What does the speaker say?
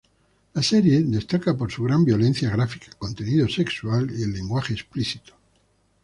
La serie destaca por su gran violencia gráfica, contenido sexual y lenguaje explícito.